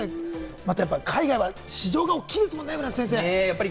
あと海外は市場が大きいですもんね、村瀬先生。